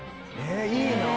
いいなあ！